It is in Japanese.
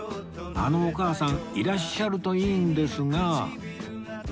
あのお母さんいらっしゃるといいんですが